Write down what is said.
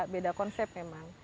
beda konsep memang